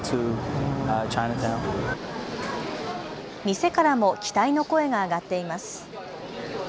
店からも期待の声が上がっています。